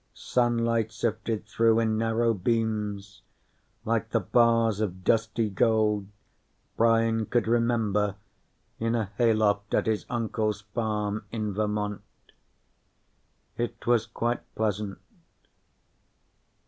Sunlight sifted through in narrow beams, like the bars of dusty gold Brian could remember in a hayloft at his uncle's farm in Vermont. It was quite pleasant.